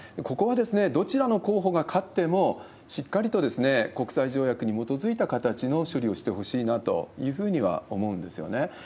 ここはどちらの候補が勝っても、しっかりと国際条約に基づいた形の処理をしてほしいなというふうには思うんですよね。